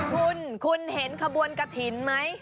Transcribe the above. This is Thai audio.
คุณคุณเห็นขบวนกระถิ่นไหม